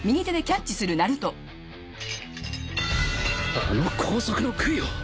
あの高速の杭を！？